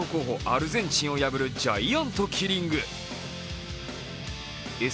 アルゼンチンを破るジャイアントキリング。